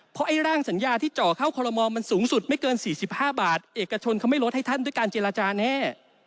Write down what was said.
เพราะไอ้ร่างสัญญาที่เจาะเข้าคอลโมมันสูงสุดไม่เกิน๔๕บาทเอกชนเขาไม่ลดให้ท่านด้วยการเจรจาแน่